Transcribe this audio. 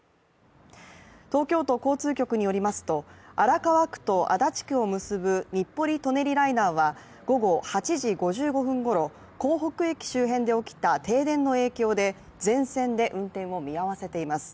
東京都交通局によりますと荒川区と足立区を結ぶ日暮里・舎人ライナーは午後８時５５分ごろ、江北駅周辺で起きた停電の影響で全線で運転を見合わせています。